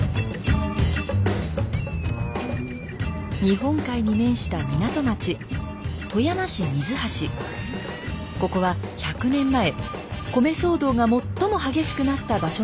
日本海に面した港町ここは１００年前米騒動が最も激しくなった場所の一つです。